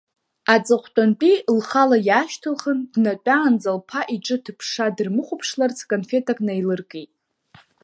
Аҵыхәтәантәи лхала иаашьҭылхын, днатәаанӡа лԥа, иҿы ҭыԥшша дырмыхәаԥшларц, конфетак наилыркит.